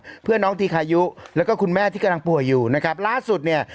เพื่อนน้องทีคายุแล้วก็คุณแม่ที่กำลังป่วยอยู่นะครับล่าสุดเนี่ย